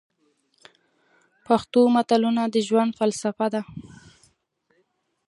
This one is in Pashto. پښتو متلونه د ژوند فلسفه ده.